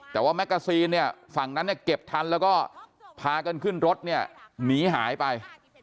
แต่ว่าแกซีนเนี่ยฝั่งนั้นเนี่ยเก็บทันแล้วก็พากันขึ้นรถเนี่ยหนีหายไป